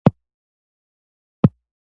زموږ غنم باید ګاونډیو ته لاړ نشي.